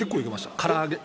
から揚げ。